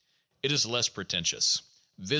It is less pretentious: viz.